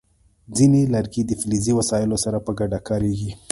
ځینې لرګي د فلزي وسایلو سره په ګډه کارېږي.